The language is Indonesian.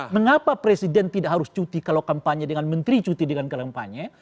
mengapa presiden tidak harus cuti kalau kampanye dengan menteri cuti dengan kampanye